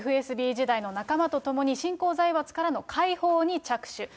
ＦＳＢ時代の仲間とともに、新興財閥からの解放に着手。